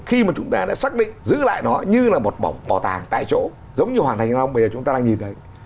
khi mà chúng ta đã xác định giữ lại nó như là một bảo tàng tại chỗ giống như hoàng thành thăng long bây giờ chúng ta đang nhìn thấy